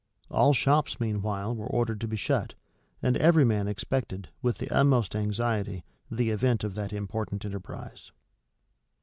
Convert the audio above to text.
All shops, meanwhile, were ordered to be shut; and every man expected, with the utmost anxiety, the event of that important enterprise.